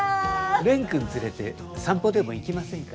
蓮くん連れて散歩でも行きませんか？